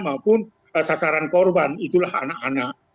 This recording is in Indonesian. maupun sasaran korban itulah anak anak